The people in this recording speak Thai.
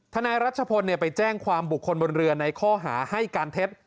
นายรัชพลไปแจ้งความบุคคลบนเรือในข้อหาให้การเท็จ